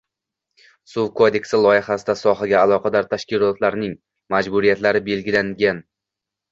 Suv kodeksi loyihasida sohaga aloqador tashkilotlarning majburiyatlari belgilanganng